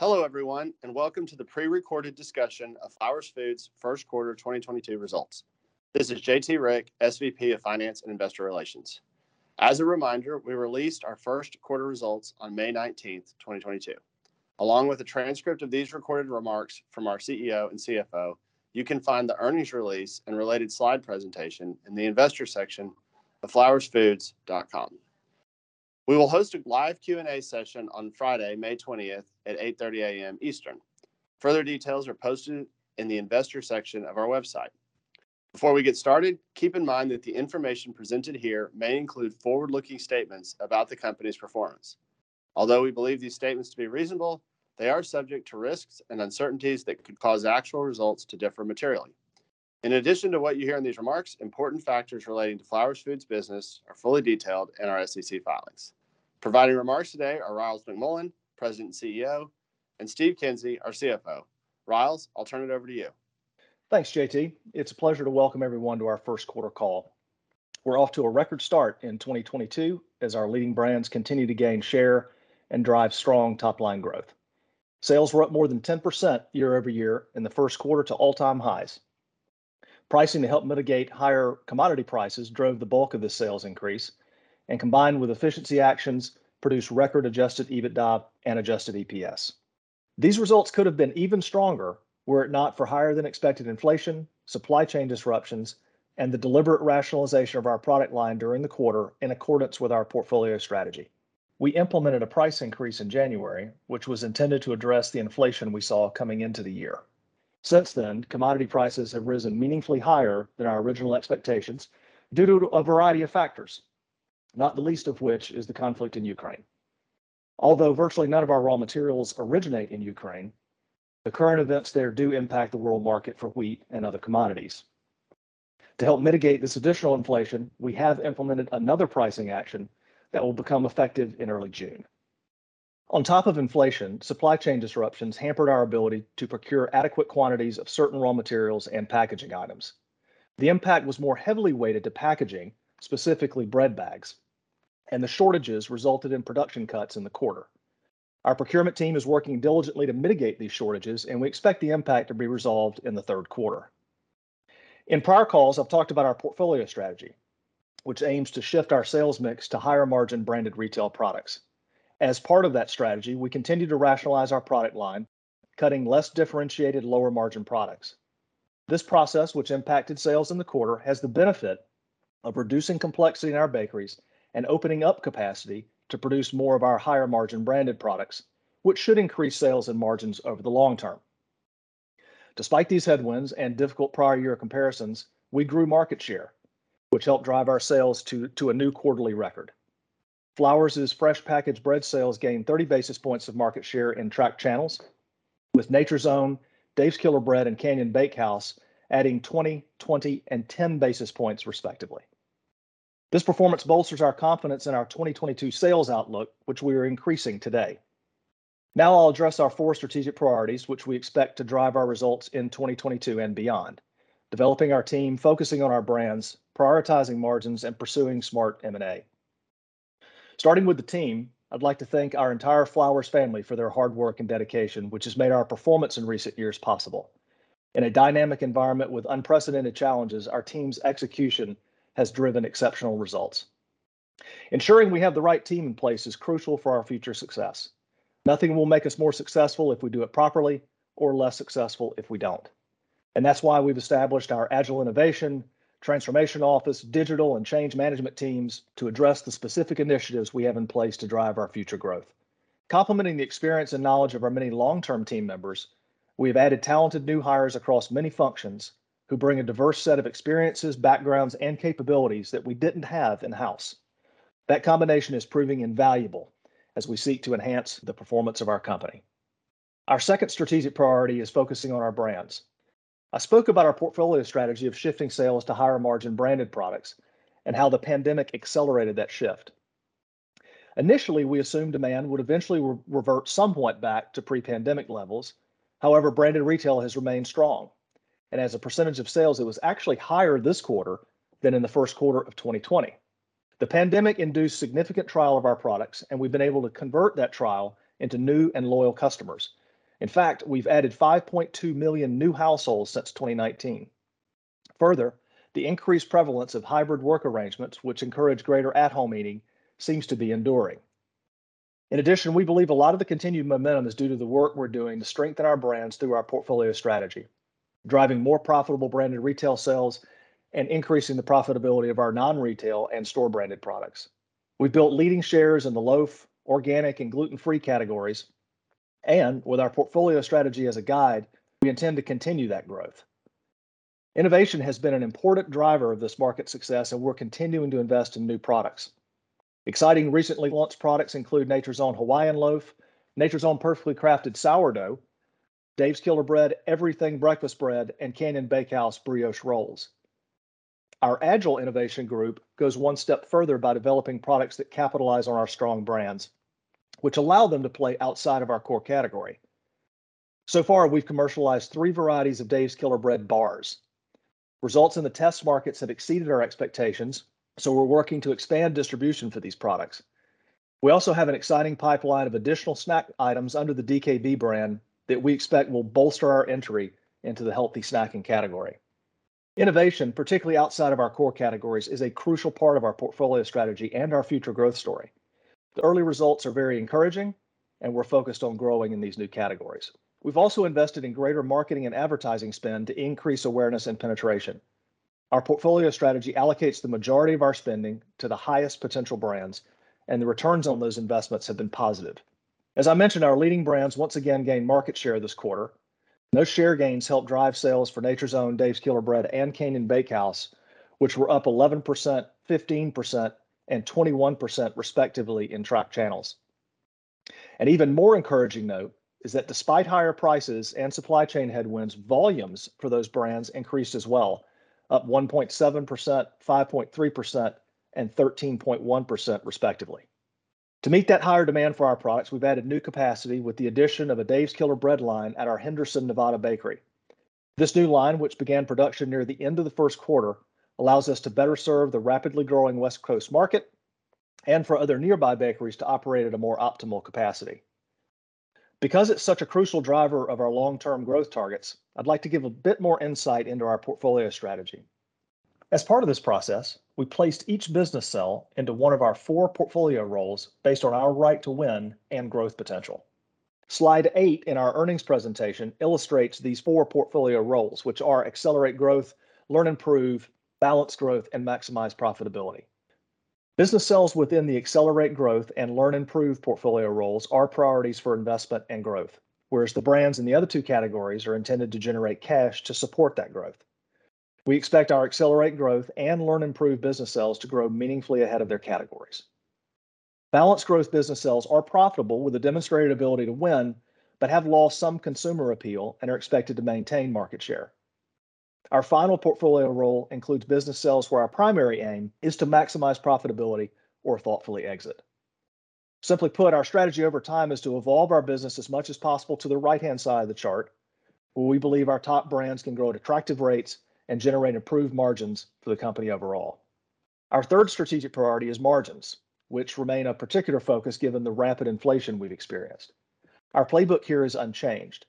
Hello, everyone, and welcome to the pre-recorded discussion of Flowers Foods Q1 2022 results. This is J.T. Rieck, SVP of Finance and Investor Relations. As a reminder, we released our Q1 results on May 19, 2022. Along with the transcript of these recorded remarks from our CEO and CFO, you can find the earnings release and related slide presentation in the investor section of flowersfoods.com. We will host a live Q&A session on Friday, May 20 at 8:30 A.M. Eastern. Further details are posted in the investor section of our website. Before we get started, keep in mind that the information presented here may include forward-looking statements about the company's performance. Although we believe these statements to be reasonable, they are subject to risks and uncertainties that could cause actual results to differ materially. In addition to what you hear in these remarks, important factors relating to Flowers Foods business are fully detailed in our SEC filings. Providing remarks today are Ryals McMullian, President and CEO, and Steve Kinsey, our CFO. Ryals, I'll turn it over to you. Thanks, J.T. It's a pleasure to welcome everyone to our Q1 call. We're off to a record start in 2022 as our leading brands continue to gain share and drive strong top-line growth. Sales were up more than 10% year-over-year in the Q1 to all-time highs. Pricing to help mitigate higher commodity prices drove the bulk of the sales increase, and combined with efficiency actions, produced record adjusted EBITDA and adjusted EPS. These results could have been even stronger were it not for higher than expected inflation, supply chain disruptions, and the deliberate rationalization of our product line during the quarter in accordance with our portfolio strategy. We implemented a price increase in January, which was intended to address the inflation we saw coming into the year. Since then, commodity prices have risen meaningfully higher than our original expectations due to a variety of factors, not the least of which is the conflict in Ukraine. Although virtually none of our raw materials originate in Ukraine, the current events there do impact the world market for wheat and other commodities. To help mitigate this additional inflation, we have implemented another pricing action that will become effective in early June. On top of inflation, supply chain disruptions hampered our ability to procure adequate quantities of certain raw materials and packaging items. The impact was more heavily weighted to packaging, specifically bread bags, and the shortages resulted in production cuts in the quarter. Our procurement team is working diligently to mitigate these shortages, and we expect the impact to be resolved in the Q3. In prior calls, I've talked about our portfolio strategy, which aims to shift our sales mix to higher margin branded retail products. As part of that strategy, we continue to rationalize our product line, cutting less differentiated lower margin products. This process, which impacted sales in the quarter, has the benefit of reducing complexity in our bakeries and opening up capacity to produce more of our higher margin branded products, which should increase sales and margins over the long term. Despite these headwinds and difficult prior year comparisons, we grew market share, which helped drive our sales to a new quarterly record. Flowers Foods' fresh packaged bread sales gained 30 basis points of market share in tracked channels with Nature's Own, Dave's Killer Bread, and Canyon Bakehouse adding 20, and 10 basis points respectively. This performance bolsters our confidence in our 2022 sales outlook, which we are increasing today. Now I'll address our four strategic priorities, which we expect to drive our results in 2022 and beyond, developing our team, focusing on our brands, prioritizing margins, and pursuing smart M&A. Starting with the team, I'd like to thank our entire Flowers family for their hard work and dedication, which has made our performance in recent years possible. In a dynamic environment with unprecedented challenges, our team's execution has driven exceptional results. Ensuring we have the right team in place is crucial for our future success. Nothing will make us more successful if we do it properly or less successful if we don't. That's why we've established our Agile Innovation, Transformation Office, Digital, and Change Management teams to address the specific initiatives we have in place to drive our future growth. Complementing the experience and knowledge of our many long-term team members, we have added talented new hires across many functions who bring a diverse set of experiences, backgrounds, and capabilities that we didn't have in-house. That combination is proving invaluable as we seek to enhance the performance of our company. Our second strategic priority is focusing on our brands. I spoke about our portfolio strategy of shifting sales to higher margin branded products and how the pandemic accelerated that shift. Initially, we assumed demand would eventually revert somewhat back to pre-pandemic levels. However, branded retail has remained strong, and as a percentage of sales, it was actually higher this quarter than in the Q1 of 2020. The pandemic induced significant trial of our products, and we've been able to convert that trial into new and loyal customers. In fact, we've added 5.2 million new households since 2019. Further, the increased prevalence of hybrid work arrangements, which encourage greater at-home eating, seems to be enduring. In addition, we believe a lot of the continued momentum is due to the work we're doing to strengthen our brands through our portfolio strategy, driving more profitable branded retail sales and increasing the profitability of our non-retail and store branded products. We've built leading shares in the loaf, organic, and gluten-free categories, and with our portfolio strategy as a guide, we intend to continue that growth. Innovation has been an important driver of this market success, and we're continuing to invest in new products. Exciting recently launched products include Nature's Own Hawaiian, Nature's Own Perfectly Crafted Sourdough, Dave's Killer Bread Epic Everything Organic Breakfast Bread, and Canyon Bakehouse Brioche-Style Sweet Rolls. Our Agile Innovation group goes one step further by developing products that capitalize on our strong brands, which allow them to play outside of our core category. So far, we've commercialized three varieties of Dave's Killer Bread bars. Results in the test markets have exceeded our expectations, so we're working to expand distribution for these products. We also have an exciting pipeline of additional snack items under the DKB brand that we expect will bolster our entry into the healthy snacking category. Innovation, particularly outside of our core categories, is a crucial part of our portfolio strategy and our future growth story. The early results are very encouraging and we're focused on growing in these new categories. We've also invested in greater marketing and advertising spend to increase awareness and penetration. Our portfolio strategy allocates the majority of our spending to the highest potential brands, and the returns on those investments have been positive. As I mentioned, our leading brands once again gained market share this quarter. Those share gains helped drive sales for Nature's Own, Dave's Killer Bread, and Canyon Bakehouse, which were up 11%, 15%, and 21% respectively in tracked channels. An even more encouraging note is that despite higher prices and supply chain headwinds, volumes for those brands increased as well, up 1.7%, 5.3%, and 13.1% respectively. To meet that higher demand for our products, we've added new capacity with the addition of a Dave's Killer Bread line at our Henderson, Nevada bakery. This new line, which began production near the end of the first quarter, allows us to better serve the rapidly growing West Coast market and for other nearby bakeries to operate at a more optimal capacity. Because it's such a crucial driver of our long-term growth targets, I'd like to give a bit more insight into our portfolio strategy. As part of this process, we placed each business cell into one of our four portfolio roles based on our right to win and growth potential. Slide 8 in our earnings presentation illustrates these four portfolio roles, which are accelerate growth, learn improve, balance growth, and maximize profitability. Business cells within the accelerate growth and learn improve portfolio roles are priorities for investment and growth, whereas the brands in the other two categories are intended to generate cash to support that growth. We expect our accelerating growth and emerging business units to grow meaningfully ahead of their categories. Balanced growth business units are profitable with a demonstrated ability to win, but have lost some consumer appeal and are expected to maintain market share. Our harvest portfolio role includes business units where our primary aim is to maximize profitability or thoughtfully exit. Simply put, our strategy over time is to evolve our business as much as possible to the right-hand side of the chart where we believe our top brands can grow at attractive rates and generate improved margins for the company overall. Our third strategic priority is margins, which remain a particular focus given the rapid inflation we've experienced. Our playbook here is unchanged.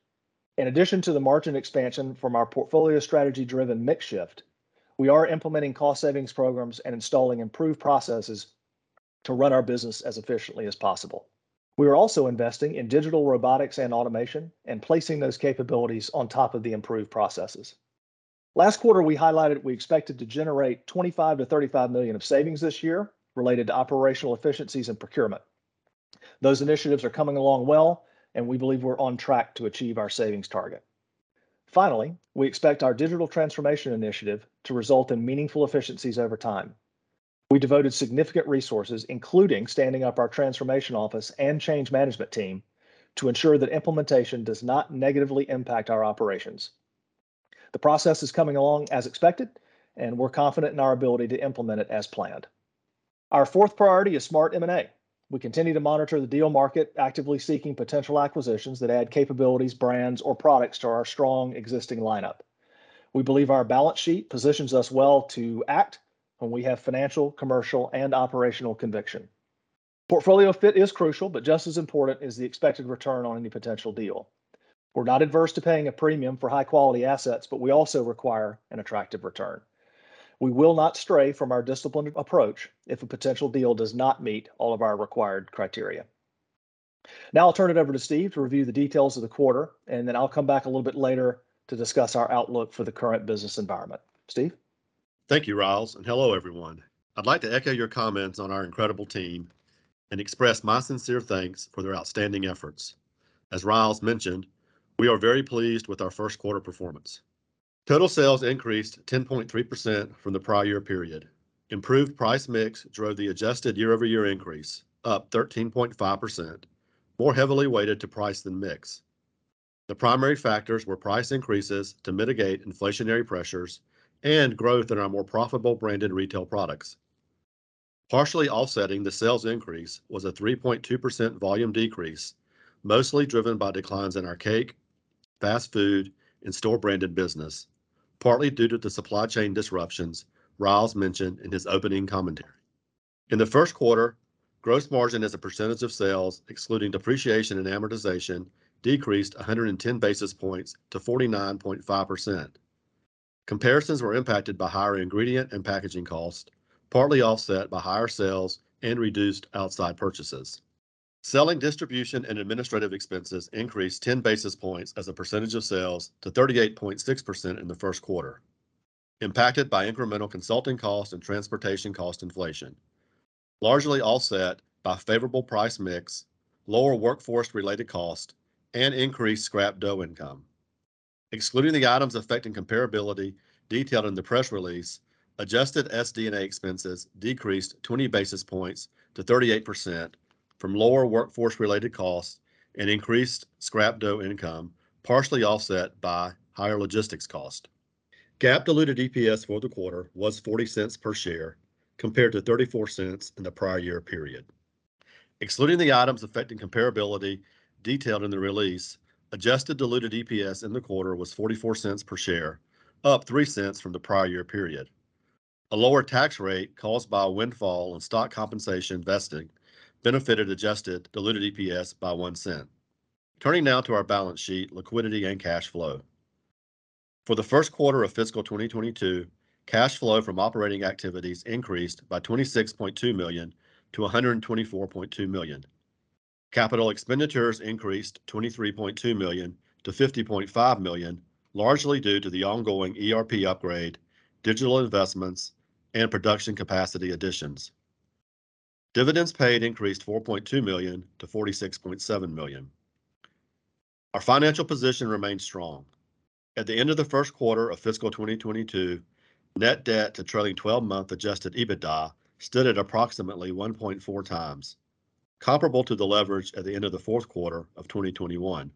In addition to the margin expansion from our portfolio strategy-driven mix shift, we are implementing cost savings programs and installing improved processes to run our business as efficiently as possible. We are also investing in digital robotics and automation and placing those capabilities on top of the improved processes. Last quarter we highlighted we expected to generate $25-35 million of savings this year related to operational efficiencies and procurement. Those initiatives are coming along well, and we believe we're on track to achieve our savings target. Finally, we expect our digital transformation initiative to result in meaningful efficiencies over time. We devoted significant resources, including standing up our Transformation Office and change management team, to ensure that implementation does not negatively impact our operations. The process is coming along as expected, and we're confident in our ability to implement it as planned. Our fourth priority is smart M&A. We continue to monitor the deal market, actively seeking potential acquisitions that add capabilities, brands, or products to our strong existing lineup. We believe our balance sheet positions us well to act when we have financial, commercial, and operational conviction. Portfolio fit is crucial, but just as important is the expected return on any potential deal. We're not adverse to paying a premium for high-quality assets, but we also require an attractive return. We will not stray from our disciplined approach if a potential deal does not meet all of our required criteria. Now I'll turn it over to Steve to review the details of the quarter, and then I'll come back a little bit later to discuss our outlook for the current business environment. Steve? Thank you, Ryals, and hello, everyone. I'd like to echo your comments on our incredible team and express my sincere thanks for their outstanding efforts. As Ryals mentioned, we are very pleased with our first quarter performance. Total sales increased 10.3% from the prior year period. Improved price mix drove the adjusted year-over-year increase, up 13.5%, more heavily weighted to price than mix. The primary factors were price increases to mitigate inflationary pressures and growth in our more profitable branded retail products. Partially offsetting the sales increase was a 3.2% volume decrease, mostly driven by declines in our cake, fast food, and store-branded business, partly due to the supply chain disruptions Ryals mentioned in his opening commentary. In the Q1, gross margin as a percentage of sales, excluding depreciation and amortization, decreased 110 basis points to 49.5%. Comparisons were impacted by higher ingredient and packaging costs, partly offset by higher sales and reduced outside purchases. Selling, distribution, and administrative expenses increased 10 basis points as a percentage of sales to 38.6% in the Q1, impacted by incremental consulting cost and transportation cost inflation, largely offset by favorable price mix, lower workforce-related cost, and increased scrap dough income. Excluding the items affecting comparability detailed in the press release, adjusted SD&A expenses decreased 20 basis points to 38% from lower workforce-related costs and increased scrap dough income, partially offset by higher logistics cost. GAAP diluted EPS for the quarter was $0.40 per share compared to $0.34 in the prior year period. Excluding the items affecting comparability detailed in the release, adjusted diluted EPS in the quarter was $0.44 per share, up $0.03 from the prior year period. A lower tax rate caused by a windfall in stock compensation vesting benefited adjusted diluted EPS by $0.01. Turning now to our balance sheet, liquidity, and cash flow. For the Q1 of fiscal 2022, cash flow from operating activities increased by $26.2 million to $124.2 million. Capital expenditures increased $23.2 million to $50.5 million, largely due to the ongoing ERP upgrade, digital investments, and production capacity additions. Dividends paid increased $4.2 million to $46.7 million. Our financial position remains strong. At the end of the Q1 of fiscal 2022, net debt to trailing twelve-month adjusted EBITDA stood at approximately 1.4x, comparable to the leverage at the end of the Q4 of 2021.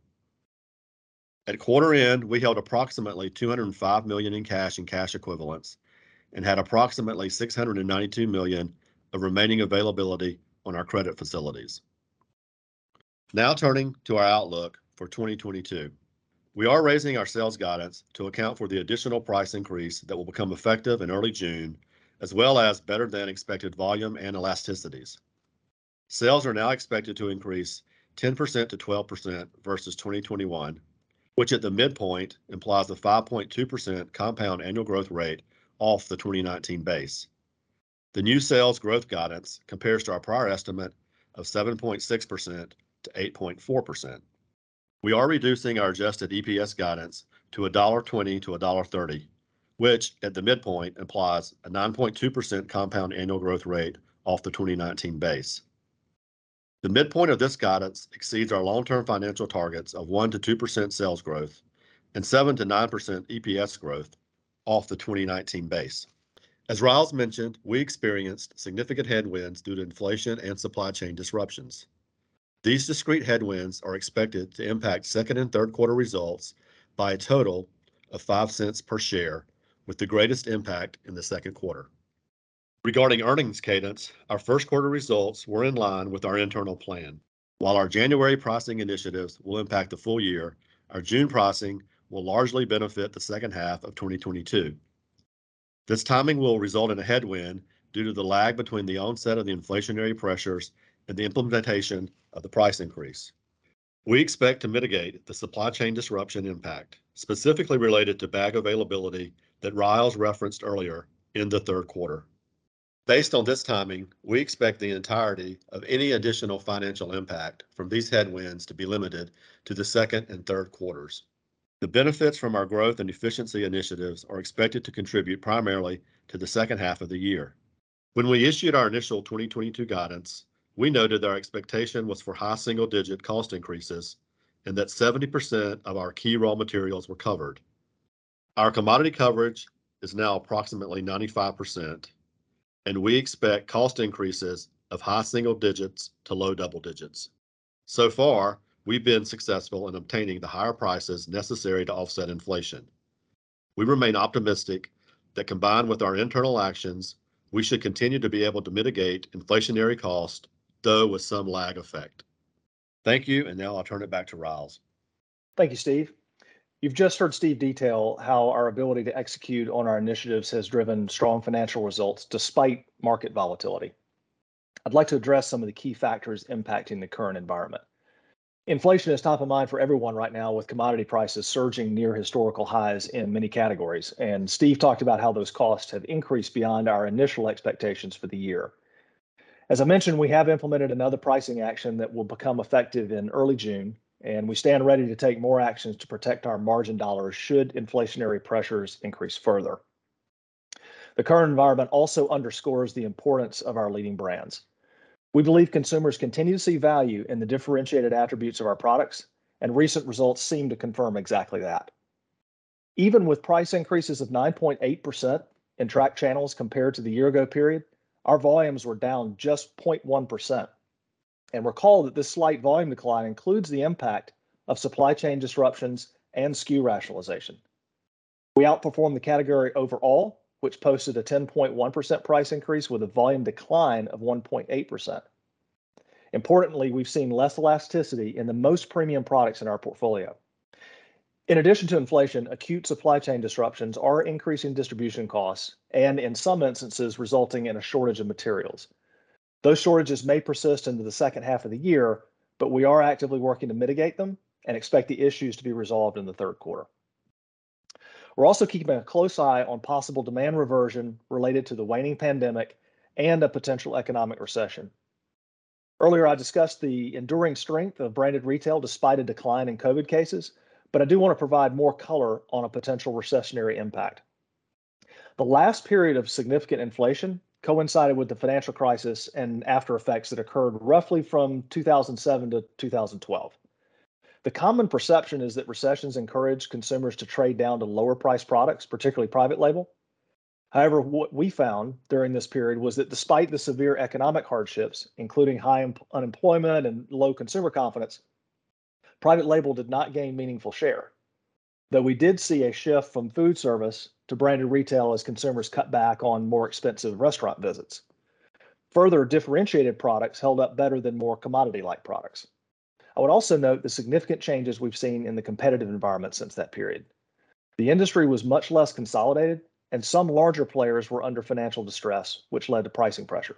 At quarter end, we held approximately $205 million in cash and cash equivalents and had approximately $692 million of remaining availability on our credit facilities. Now turning to our outlook for 2022. We are raising our sales guidance to account for the additional price increase that will become effective in early June as well as better than expected volume and elasticities. Sales are now expected to increase 10%-12% versus 2021, which at the midpoint implies a 5.2% compound annual growth rate off the 2019 base. The new sales growth guidance compares to our prior estimate of 7.6%-8.4%. We are reducing our adjusted EPS guidance to $1.20-$1.30, which at the midpoint implies a 9.2% compound annual growth rate off the 2019 base. The midpoint of this guidance exceeds our long-term financial targets of 1%-2% sales growth and 7%-9% EPS growth off the 2019 base. As Ryals mentioned, we experienced significant headwinds due to inflation and supply chain disruptions. These discrete headwinds are expected to impact second and Q3 results by a total of $0.05 per share, with the greatest impact in the Q2. Regarding earnings cadence, our Q1 results were in line with our internal plan. While our January pricing initiatives will impact the full year, our June pricing will largely benefit the H2 of 2022. This timing will result in a headwind due to the lag between the onset of the inflationary pressures and the implementation of the price increase. We expect to mitigate the supply chain disruption impact, specifically related to bag availability that Ryals referenced earlier in the Q3. Based on this timing, we expect the entirety of any additional financial impact from these headwinds to be limited to the second and Q3. The benefits from our growth and efficiency initiatives are expected to contribute primarily to the H2 of the year. When we issued our initial 2022 guidance, we noted our expectation was for high single-digit cost increases and that 70% of our key raw materials were covered. Our commodity coverage is now approximately 95%, and we expect cost increases of high single digits to low double digits. Far, we've been successful in obtaining the higher prices necessary to offset inflation. We remain optimistic that combined with our internal actions, we should continue to be able to mitigate inflationary cost, though with some lag effect. Thank you, and now I'll turn it back to Ryals. Thank you, Steve. You've just heard Steve detail how our ability to execute on our initiatives has driven strong financial results despite market volatility. I'd like to address some of the key factors impacting the current environment. Inflation is top of mind for everyone right now with commodity prices surging near historical highs in many categories, and Steve talked about how those costs have increased beyond our initial expectations for the year. As I mentioned, we have implemented another pricing action that will become effective in early June, and we stand ready to take more actions to protect our margin dollars should inflationary pressures increase further. The current environment also underscores the importance of our leading brands. We believe consumers continue to see value in the differentiated attributes of our products, and recent results seem to confirm exactly that. Even with price increases of 9.8% in track channels compared to the year ago period, our volumes were down just 0.1%. Recall that this slight volume decline includes the impact of supply chain disruptions and SKU rationalization. We outperformed the category overall, which posted a 10.1% price increase with a volume decline of 1.8%. Importantly, we've seen less elasticity in the most premium products in our portfolio. In addition to inflation, acute supply chain disruptions are increasing distribution costs and, in some instances, resulting in a shortage of materials. Those shortages may persist into the H2 of the year, but we are actively working to mitigate them and expect the issues to be resolved in the Q3. We're also keeping a close eye on possible demand reversion related to the waning pandemic and a potential economic recession. Earlier, I discussed the enduring strength of branded retail despite a decline in COVID cases, but I do want to provide more color on a potential recessionary impact. The last period of significant inflation coincided with the financial crisis and after effects that occurred roughly from 2007 to 2012. The common perception is that recessions encourage consumers to trade down to lower price products, particularly private label. However, what we found during this period was that despite the severe economic hardships, including high unemployment and low consumer confidence. Private label did not gain meaningful share, though we did see a shift from food service to branded retail as consumers cut back on more expensive restaurant visits. Further differentiated products held up better than more commodity-like products. I would also note the significant changes we've seen in the competitive environment since that period. The industry was much less consolidated and some larger players were under financial distress, which led to pricing pressure.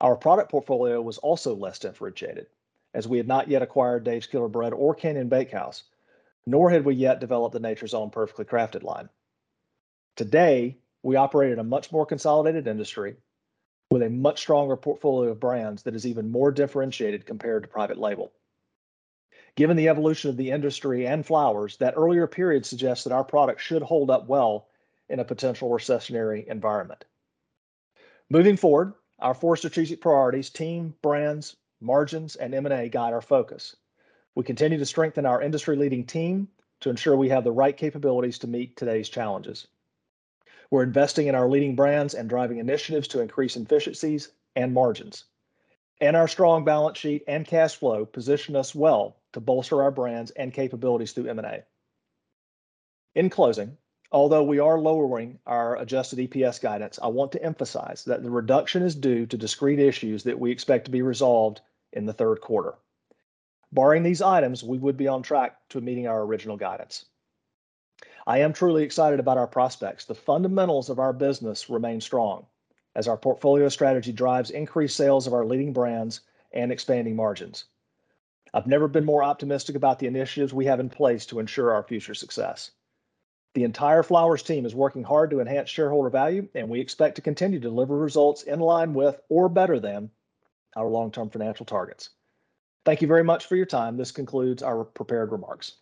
Our product portfolio was also less differentiated, as we had not yet acquired Dave's Killer Bread or Canyon Bakehouse, nor had we yet developed the Nature's Own Perfectly Crafted line. Today, we operate in a much more consolidated industry with a much stronger portfolio of brands that is even more differentiated compared to private label. Given the evolution of the industry and Flowers, that earlier period suggests that our products should hold up well in a potential recessionary environment. Moving forward, our four strategic priorities, team, brands, margins, and M&A guide our focus. We continue to strengthen our industry-leading team to ensure we have the right capabilities to meet today's challenges. We're investing in our leading brands and driving initiatives to increase efficiencies and margins. Our strong balance sheet and cash flow position us well to bolster our brands and capabilities through M&A. In closing, although we are lowering our adjusted EPS guidance, I want to emphasize that the reduction is due to discrete issues that we expect to be resolved in the Q3. Barring these items, we would be on track to meeting our original guidance. I am truly excited about our prospects. The fundamentals of our business remain strong as our portfolio strategy drives increased sales of our leading brands and expanding margins. I've never been more optimistic about the initiatives we have in place to ensure our future success. The entire Flowers team is working hard to enhance shareholder value, and we expect to continue to deliver results in line with or better than our long-term financial targets. Thank you very much for your time. This concludes our prepared remarks.